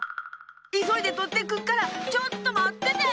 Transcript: いそいでとってくっからちょっとまってて！